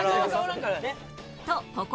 とここで